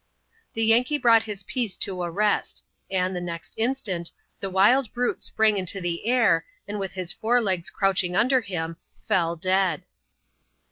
The Yankee brought his piece to a rest ; and, the next instant, the wild brute sprang into the air, and with his fore legs crouch ing imder him, fell dead.